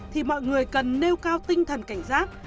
thì mọi người cần nêu cao tinh thần cảnh giác